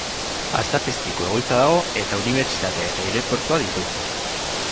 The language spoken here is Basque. Artzapezpiku egoitza dago, eta unibertsitatea eta aireportua ditu.